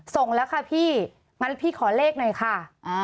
ส่งแล้วค่ะพี่งั้นพี่ขอเลขหน่อยค่ะ